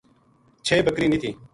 چھ بکری نیہہ تھی